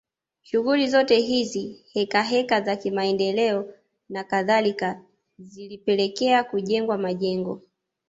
Shughuli zote hizi hekaheka za kimaendeleo na kadhalika zilipelekea kujengwa majengo